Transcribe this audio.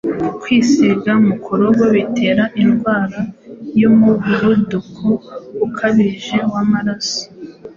kwisiga mukorogo bitera indwara y’umuvuduko ukabije w’amaraso